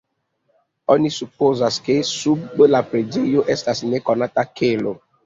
Oni supozas, ke sub la preĝejo estas nekonata kelo.